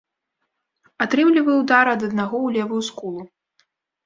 Атрымліваю ўдар ад аднаго ў левую скулу.